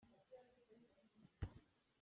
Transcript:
Inn pakhat ka ngei.